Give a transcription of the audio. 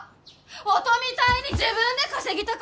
音みたいに自分で稼ぎたか！